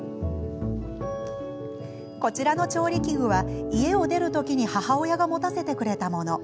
こちらの調理器具は家を出る時に母親が持たせてくれたもの。